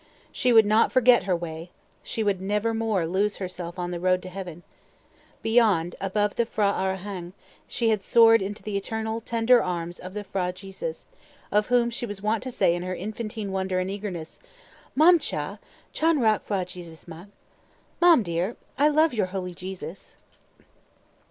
] She would not forget her way; she would nevermore lose herself on the road to Heaven. Beyond, above the P'hra Arahang, she had soared into the eternal, tender arms of the P'hra Jesus, of whom she was wont to say in her infantine wonder and eagerness, Mam cha, chân râk P'hra Jesus mâk ("Mam dear, I love your holy Jesus.")